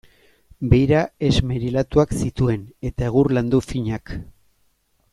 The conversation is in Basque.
Beira esmerilatuak zituen, eta egur landu finak.